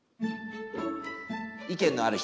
意見のある。